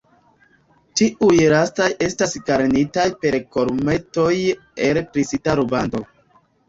Tiuj lastaj estas garnitaj per kolumetoj el plisita rubando.